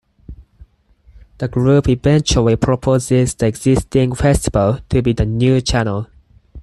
The group eventually proposes the existing "Festival" to be the "new" channel.